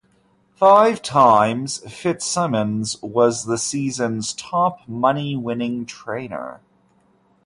Five times, Fitzsimmons was the season's top money-winning trainer.